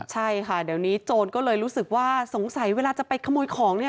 ใช่ค่ะเดี๋ยวนี้โจรก็เลยรู้สึกว่าสงสัยเวลาจะไปขโมยของเนี่ย